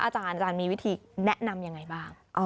อาจารย์มีวิธีแนะนำยังไงบ้าง